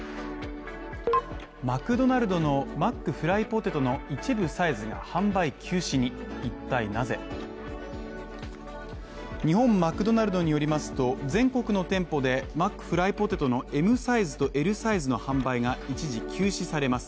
マクドナルドのマックフライポテトの一部サイズが販売休止に、一体なぜ？日本マクドナルドによりますと、全国の店舗で、マックフライポテトのＭサイズとＬサイズの販売が一時休止されます。